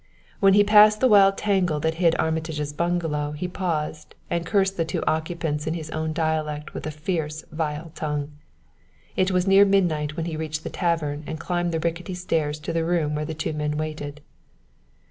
When he passed the wild tangle that hid Armitage's bungalow he paused and cursed the two occupants in his own dialect with a fierce vile tongue. It was near midnight when he reached the tavern and climbed the rickety stairway to the room where the two men waited.